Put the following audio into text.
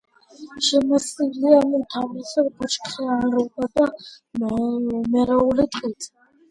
შემოსილია უმთავრესად ბუჩქნარითა და მეორეული ტყით.